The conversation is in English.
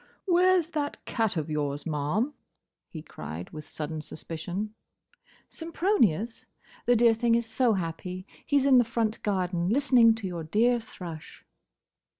"Where's that cat of yours, ma'am?" he cried, with sudden suspicion. "Sempronius? The dear thing is so happy. He 's in the front garden, listening to your dear thrush."